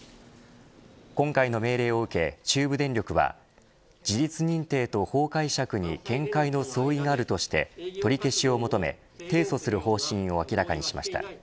今回の命令を受け中部電力は事実認定と法解釈に見解の相違があるとして取り消しを求め提訴する方針を明らかにしました。